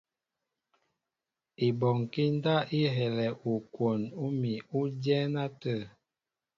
Ibɔnkí ndáp i helɛ ukwon úmi ú dyɛ́ɛ́n átə̂.